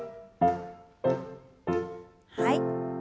はい。